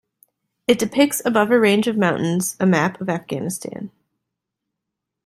It depicts above a range of mountains a map of Afghanistan.